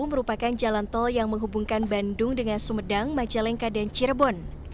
merupakan jalan tol yang menghubungkan bandung dengan sumedang majalengka dan cirebon